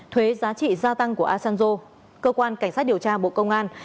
thuế giá trị gia tăng của asanjo cơ quan cảnh sát điều tra bộ công an